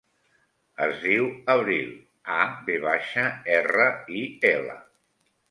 Es diu Avril: a, ve baixa, erra, i, ela.